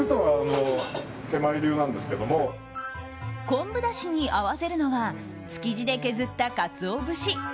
昆布だしに合わせるのは築地で削ったカツオ節。